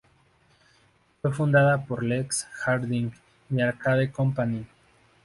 Fue fundada por Lex Harding y Arcade Company.